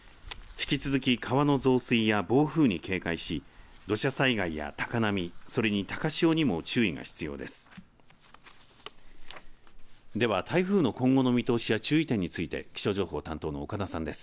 引き続き川の増水や暴風に警戒し土砂災害や高波それに高潮にも注意が必要です。